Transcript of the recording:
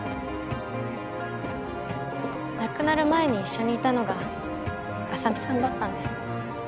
亡くなる前に一緒にいたのが浅海さんだったんです。